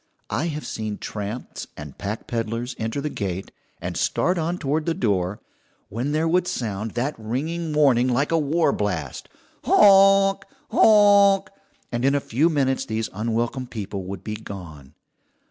I have seen tramps and pack peddlers enter the gate, and start on toward the door, when there would sound that ringing warning like a war blast, "Honk, honk!" and in a few minutes these unwelcome people would be gone.